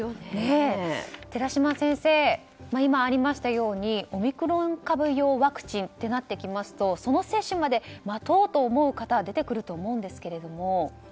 寺嶋先生、今ありましたようにオミクロン株用のワクチンとなってきますとその接種まで待とうという方が出てくると思うんですが。